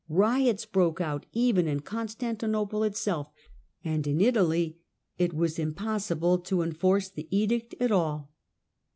Biots broke out even in Constantinople itself, and in Italy it was impossible to enforce the edict at all.